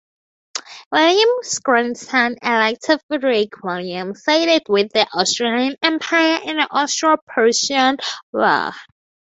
William's grandson, Elector Frederick William, sided with the Austrian Empire in the Austro-Prussian War.